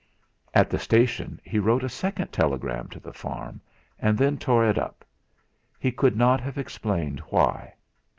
At the station he wrote a second telegram to the farm, and then tore it up; he could not have explained why.